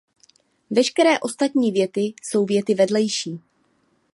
Veškeré ostatní věty jsou věty vedlejší.